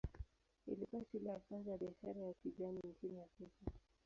Ilikuwa shule ya kwanza ya biashara ya kijani nchini Afrika.